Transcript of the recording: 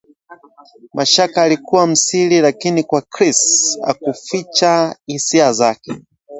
Mashaka alikuwa msiri lakini kwa Chris hakuficha hisia zake